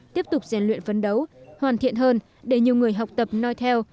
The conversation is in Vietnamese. tiếp tục rèn luyện phấn đấu hoàn thiện hơn để nhiều người học tập nói theo